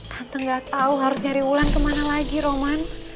tante gak tau harus nyari wulan kemana lagi roman